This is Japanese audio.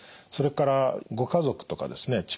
それからご家族とかですね